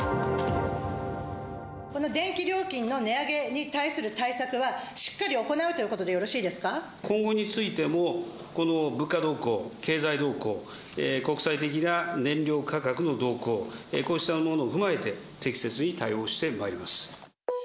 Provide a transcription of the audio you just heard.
この電気料金の値上げに対する対策はしっかり行うということ今後についても、この物価動向、経済動向、国際的な燃料価格の動向、こうしたものを踏まえて、適切に対応してまいります。